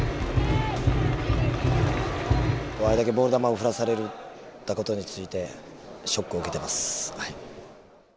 あれだけボール球を振らされたことについてショックを受けてますはい。